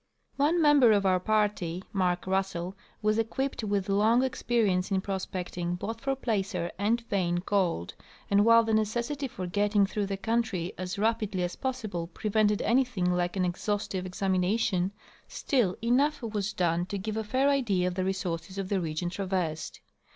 One member of our party, Mark Russell, was equipped with long experience in prospecting both for placer and vein gold, and while the necessity for getting through the country as rap idly as possible prevented anything like an exhaustive examina tion, still enough was done to give a fair idea of the resources of the region traversed.